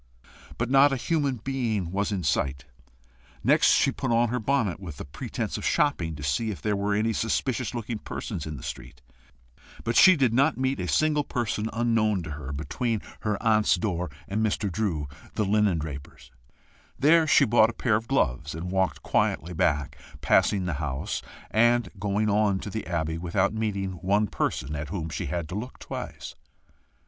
But not a human being was in sight. Next she put on her bonnet, with the pretence of shopping, to see if there were any suspicious looking persons in the street. But she did not meet a single person unknown to her between her aunt's door and Mr. Drew the linendraper's. There she bought a pair of gloves, and walked quietly back, passing the house, and going on to the Abbey, without meeting one person at whom she had to look twice.